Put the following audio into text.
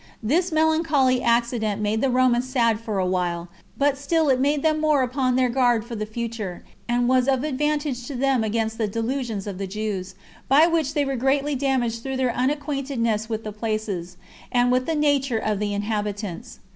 This melancholy accident made the Romans sad for a while, but still it made them more upon their guard for the future, and was of advantage to them against the delusions of the Jews, by which they were greatly damaged through their unacquaintedness with the places, and with the nature of the inhabitants.